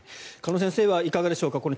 鹿野先生はいかがでしょうか。